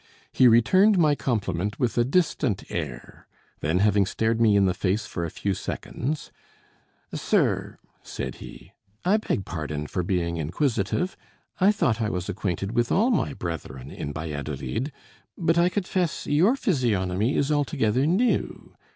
He returned my compliment with a distant air; then, having stared me in the face for a few seconds, "Sir," said he, "I beg pardon for being inquisitive; I thought I was acquainted with all my brethren in Valladolid, but I confess your physiognomy is altogether new.